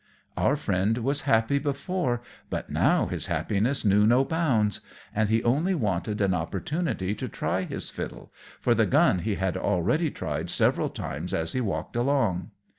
Our friend was happy before, but now his happiness knew no bounds; and he only wanted an opportunity to try his fiddle, for the gun he had already tried several times as he walked along.